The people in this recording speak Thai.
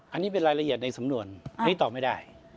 อันนี้เป็นรายละเอียดในสำนวนอันนี้ตอบไม่ได้